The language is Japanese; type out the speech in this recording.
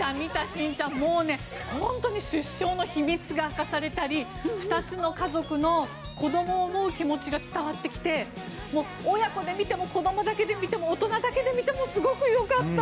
しんちゃん、本当に出生の秘密が明かされていたり２つの家族の子供を思う気持ちが伝わってきて親子で見ても子供だけで見ても大人だけで見てもすごく良かった！